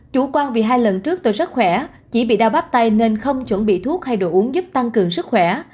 chủ quan vì hai lần trước tôi rất khỏe chỉ bị đau bắp tay nên không chuẩn bị thuốc hay đồ uống giúp tăng cường sức khỏe